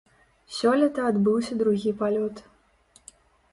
Сёлета адбыўся другі палёт.